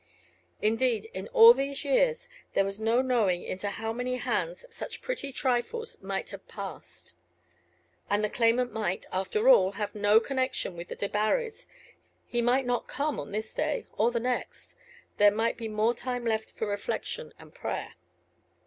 Indeed, in all these years there was no knowing into how many hands such pretty trifles might have passed. And the claimant might, after all, have no connection with the Debarrys; he might not come on this day or the next. There might be more time left for reflection and prayer.